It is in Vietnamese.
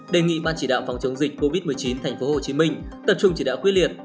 đề nghị ban chỉ đạo phòng chống dịch covid một mươi chín tp hcm tập trung chỉ đạo quyết liệt